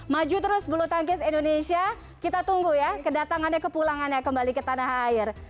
maju terus bulu tangkis indonesia kita tunggu ya kedatangannya kepulangannya kembali ke tanah air